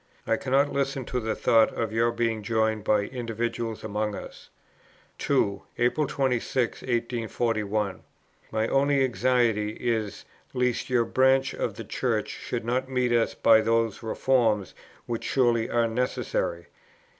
I cannot listen to the thought of your being joined by individuals among us." 2. "April 26, 1841. My only anxiety is lest your branch of the Church should not meet us by those reforms which surely are necessary.